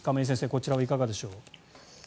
こちらはいかがでしょう。